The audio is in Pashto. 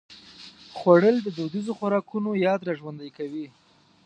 خوړل د دودیزو خوراکونو یاد راژوندي کوي